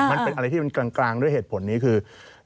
มันเป็นอะไรที่มันกลางด้วยเหตุผลนี้คือ